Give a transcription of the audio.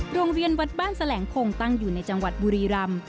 โรงเรียนวัดบ้านแสลงคงตั้งอยู่ในจังหวัดบุรีรำ